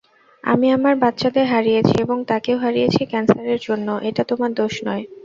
আমি আমার বাচ্চাদের হারিয়েছি এবং তাকেও হারিয়েছি ক্যান্সারের জন্য এটা তোমার দোষ নয়।